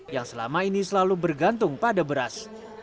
yang selama ini selalu bergantung pada beras